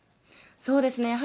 そうですね。